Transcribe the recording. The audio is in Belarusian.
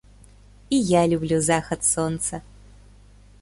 І я люблю захад сонца.